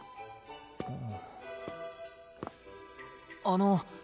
あの。